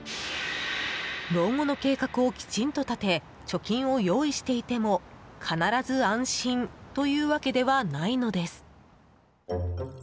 老後の計画をきちんと立て貯金を用意していても必ず安心というわけではないのです。